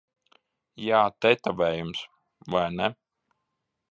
Jā, tetovējums. Vai ne?